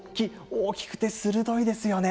大きくて鋭いですよね。